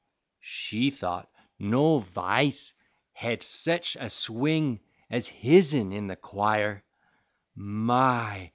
She thought no v'ice hed sech a swing Ez hisn in the choir; My!